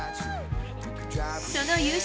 その優勝